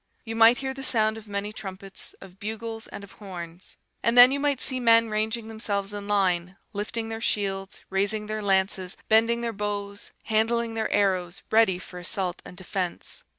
You might hear the sound of many trumpets, of bugles, and of horns: and then you might see men ranging themselves in line, lifting their shields, raising their lances, bending their bows, handling their arrows, ready for assault and defence.